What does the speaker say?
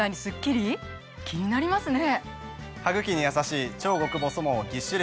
気になりますね。